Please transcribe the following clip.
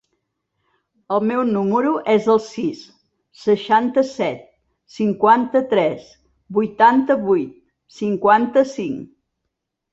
El meu número es el sis, seixanta-set, cinquanta-tres, vuitanta-vuit, cinquanta-cinc.